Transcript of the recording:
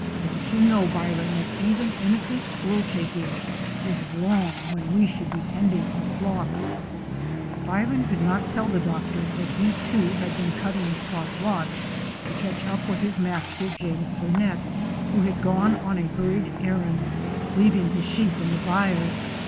Don't you know, Byron, that even innocent squirrel chasing is wrong when we should be tending our flock ?*" Byron could not tell the doctor that he too had been cutting cross lots to catch up with his master, James Burnet, who had gone on a hurried errand, leaving his sheep in the byre.